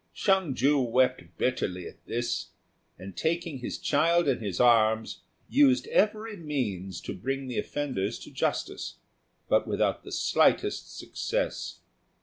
Hsiang ju wept bitterly at this, and, taking his child in his arms, used every means to bring the offenders to justice, but without the slightest success.